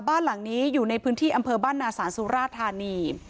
บ้านหลังนี้อยู่ในพื้นที่อำเภอบ้านนาศาลสุราธานี